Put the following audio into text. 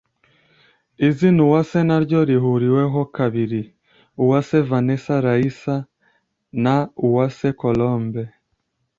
Izina Uwase naryo rihuriweho kabiri; Uwase Vanessa Raissa na Uwase Colombe